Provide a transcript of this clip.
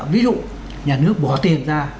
ví dụ nhà nước bỏ tiền ra